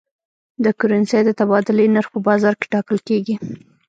د کرنسۍ د تبادلې نرخ په بازار کې ټاکل کېږي.